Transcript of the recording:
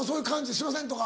「すいません」とか。